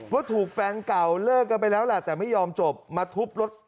ว่าถูกแฟนเก่าเลิกกันไปแล้วแหละแต่ไม่ยอมจบมาทุบรถ